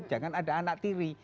jangan ada anak tiri